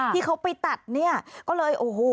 ที่เขาไปตัดเนี่ยก็เลยโอ้โห